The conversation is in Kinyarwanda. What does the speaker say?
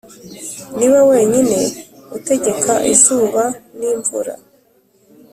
Niwe wenyine utegeka izuba n’imvura